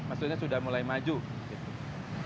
maksudnya sudah mulai maju gitu